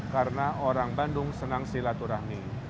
karena orang bandung senang silaturahmi